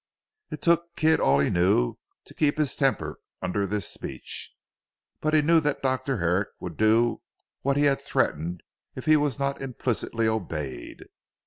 It took Kidd all he knew, to keep his temper under this speech. But he knew that Dr. Herrick would do what he had threatened if he was not implicitly obeyed.